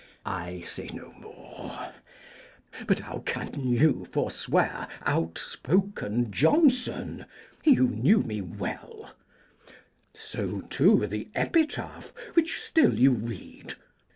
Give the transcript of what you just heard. I say no more; but how can you for swear Outspoken Jonson, he who knew me well; So, too, the epitaph which still you read?